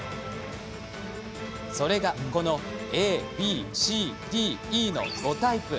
それがこのＡ、Ｂ、Ｃ、Ｄ、Ｅの５タイプ。